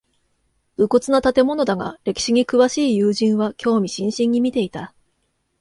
無骨な建物だが歴史に詳しい友人は興味津々に見ていた